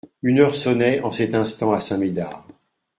Une heure sonnait en cet instant à Saint-Médard.